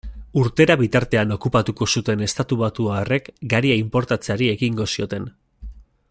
Urtera bitartean okupatuko zuten estatubatuarrek garia inportatzeari ekingo zioten.